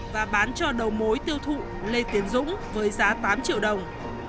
và bán cho đầu mối tiêu thụ lê tiến dũng với giá tám triệu đồng